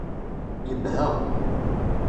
Yebha.